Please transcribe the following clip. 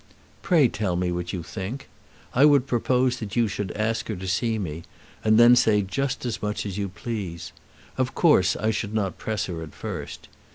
Pray tell me what you think. I would propose that you should ask her to see me, and then say just as much as you please. Of course I should not press her at first.